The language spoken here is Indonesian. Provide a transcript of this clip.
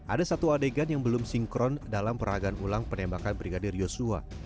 ada satu adegan yang belum sinkron dalam peragaan ulang penembakan brigadir yosua